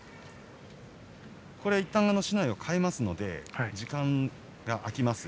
これはいったん竹刀を替えますので時間が空きます。